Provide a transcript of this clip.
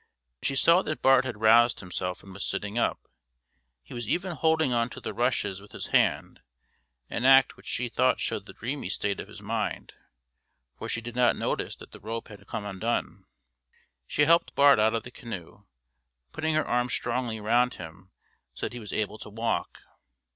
She saw that Bart had roused himself and was sitting up. He was even holding on to the rushes with his hand an act which she thought showed the dreamy state of his mind, for she did not notice that the rope had come undone. She helped Bart out of the canoe, putting her arm strongly round him so that he was able to walk.